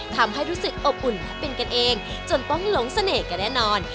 ทำให้รู้สึกอบอุ่นเป็นกันเองจนต้องหลงเสน่ห์กันแน่นอน